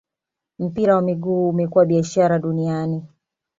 mpira wa miguu umekuwa biashara duaniani